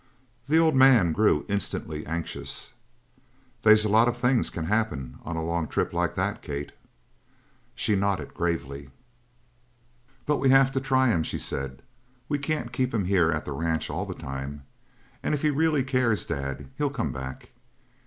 The old man grew instantly anxious. "They's a lot of things can happen on a long trip like that, Kate." She nodded gravely. "But we have to try him," she said. "We can't keep him here at the ranch all the time. And if he really cares, Dad, he'll come back."